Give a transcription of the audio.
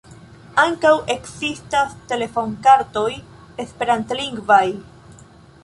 Ankaŭ ekzistas telefonkartoj esperantlingvaj.